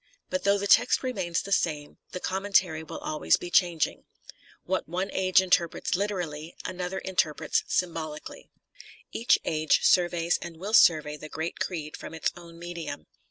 But though the text remains the same, the commentary will be always changing. What one age interprets literally, another interprets symbolically. Each age surveys and will survey the great creed from its own medium.